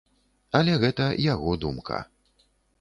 Але гэта яго думка.